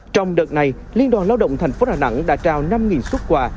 trong đợt này liên đoàn lao động thành phố đà nẵng đã trao năm xuất quà